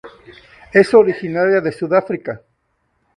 Es originaria de Sudáfrica.